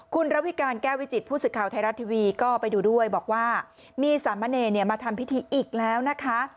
คุณระวิการแก้ววิจิตผู้สื่อข่าวไทยรัฐทีวีก็ไปดูด้วยบอกว่ามีสามเณรมาทำพิธีอีกแล้วนะคะ